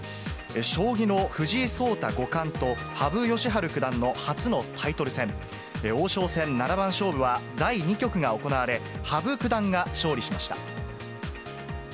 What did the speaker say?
将棋の藤井聡太五冠と、羽生善治九段の初のタイトル戦、王将戦七番勝負は第２局が行われ、羽生九段が勝利しました。